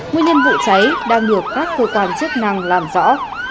nguyên nhân vụ cháy đang được các cơ quan chức năng làm rõ